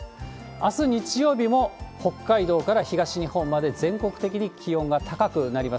あす日曜日も北海道から東日本まで全国的に気温が高くなります。